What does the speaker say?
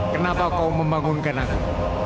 kenapa kau membangunkan aku